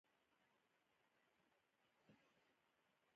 د هرات په اوبې کې د ګچ نښې شته.